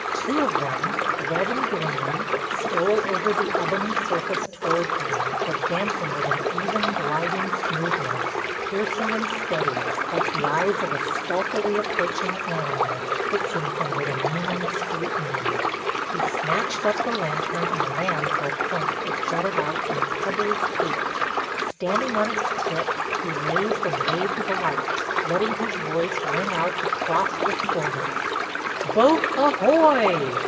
Two of them, red and green, stole over the ebony surface toward him, advancing with an even, gliding smoothness, piercing and steady, like the eyes of a stealthily approaching animal, fixing him with a meaning scrutiny. He snatched up the lantern and ran for a point that jutted out in a pebbly cape. Standing on its tip he raised and waved the light, letting his voice ring out across the stillness: "Boat ahoy!"